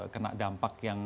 kena dampak yang